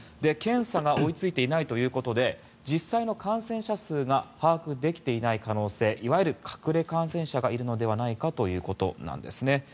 検査が追いついていないということで実際の感染者数が把握できていない可能性いわゆる隠れ感染者がいるのではないかということです。